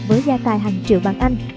với gia tài hàng triệu bằng anh